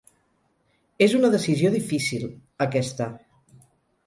És una decisió difícil, aquesta.